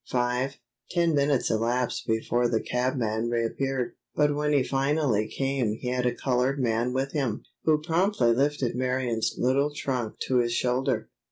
Five, ten minutes elapsed before the cabman reappeared, but when he finally came he had a colored man with him, who promptly lifted Marion's little trunk to his shoulder.